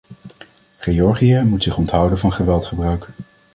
Georgië moet zich onthouden van geweldgebruik.